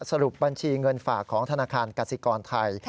สรุปบัญชีเงินฝากของธนาคารกสิกรไทย